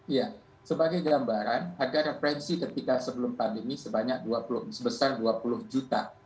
iya sebagai gambaran ada referensi ketika sebelum pandemi sebesar dua puluh juta